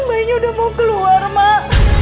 bayinya udah mau keluar mak